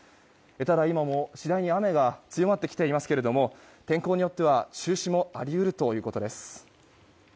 ただ、今も次第に雨が強まってきていますけども天候によっては中止もあり得るということです。